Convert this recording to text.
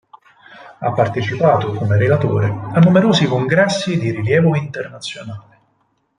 Ha partecipato come relatore a numerosi congressi di rilievo internazionale.